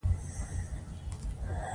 تعلیم نجونو ته د صداقت درس ورکوي.